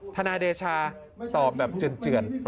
ทนายเดชาตอบแบบเจือน